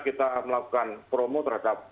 kita melakukan promo terhadap